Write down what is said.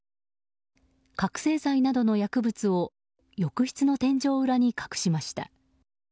覚醒剤などの薬物を浴室の天井裏に隠しました。